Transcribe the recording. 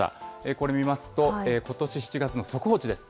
これ見ますと、ことし７月の速報値です。